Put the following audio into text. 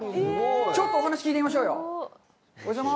ちょっとお話し聞いてみましょうよ。